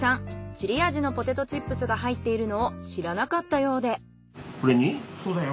チリ味のポテトチップスが入っているのを知らなかったようで。